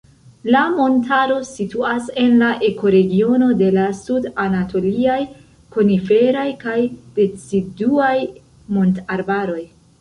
La montaro situas en la ekoregiono de la sud-anatoliaj koniferaj kaj deciduaj montarbaroj.